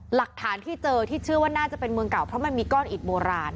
หลักฐานที่เจอที่เชื่อว่าน่าจะเป็นเมืองเก่าเพราะมันมีก้อนอิดโบราณ